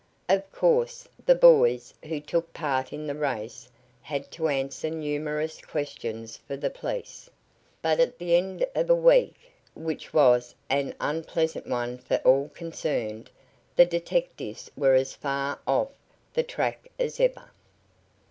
Of course, the boys who took part in the race had to answer numerous questions for the police, but at the end of a week, which was an unpleasant one for all concerned, the detectives were as far off the track as ever.